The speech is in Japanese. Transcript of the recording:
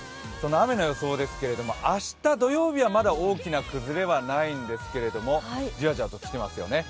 雨の予想ですけど明日、土曜日はまだ大きな崩れはないんですけれども、じわじわときてますよね。